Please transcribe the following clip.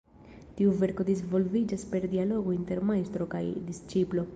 Tiu verko disvolviĝas per dialogo inter majstro kaj disĉiplo.